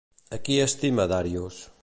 A qui estima Darios?